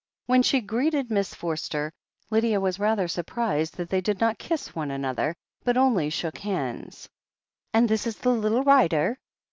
When she greeted Miss Forster, Lydia was rather surprised that they did not kiss one another, but only shook hands. "And is this the little writer?"